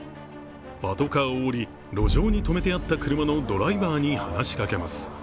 パトカーを降り路上に止めてあった車のドライバーに話しかけます。